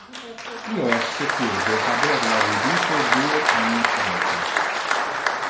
Io es secur de haber la vidite duo annos retro.